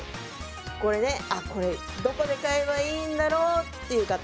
これねこれどこで買えばいいんだろう？っていう方。